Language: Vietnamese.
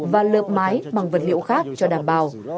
và lợp mái bằng vật liệu khác cho đảm bảo